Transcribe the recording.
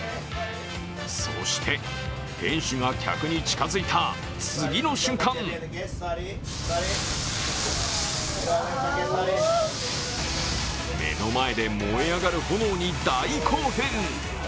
そして店主が客に近づいた次の瞬間目の前で燃え上がる炎に大興奮。